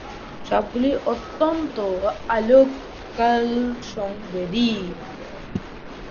সবগুলোই অত্যন্ত আলোককাল-সংবেদী।